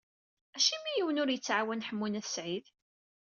Acimi yiwen ur yettɛawan Ḥemmu n At Sɛid?